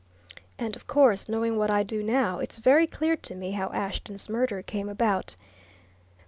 And of course, knowing what I do now, it's very clear to me how Ashton's murder came about.